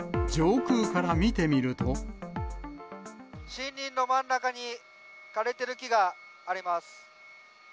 森林の真ん中に、枯れている木があります。